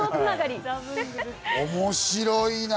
面白いな。